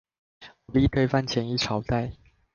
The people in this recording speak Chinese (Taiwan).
武力推翻前一朝代